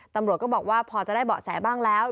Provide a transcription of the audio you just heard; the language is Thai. ตำรวจก็บอกว่าพอจะได้เบาะแสบ้างแล้ว